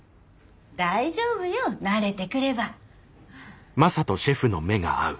大丈夫よ慣れてくれば。